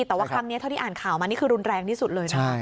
แต่ว่าครั้งนี้เท่าที่อ่านข่าวมานี่คือรุนแรงที่สุดเลยนะ